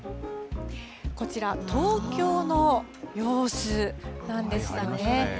こちら、東京の様子なんですよね。